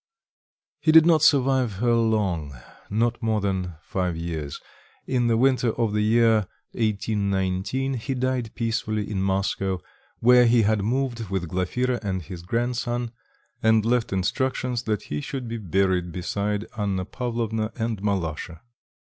He did not survive her long, not more than five years. In the winter of the year 1819, he died peacefully in Moscow, where he had moved with Glafira and his grandson, and left instructions that he should be buried beside Anna Pavlovna and "Malasha."